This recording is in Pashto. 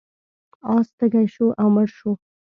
اس تږی شو او مړ شو.